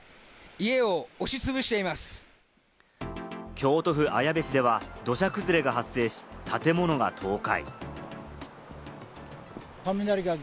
京都府綾部市では土砂崩れが発生し、建物が倒壊。